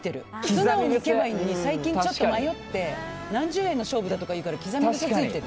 素直にいけばいいのに最近、ちょっと迷って何十円の勝負だとかいうから刻み癖ついてる。